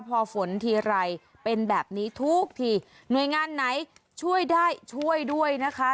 พอฝนทีไรเป็นแบบนี้ทุกทีหน่วยงานไหนช่วยได้ช่วยด้วยนะคะ